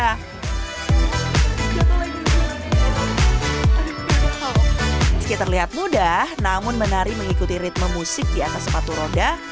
meski terlihat mudah namun menari mengikuti ritme musik di atas sepatu roda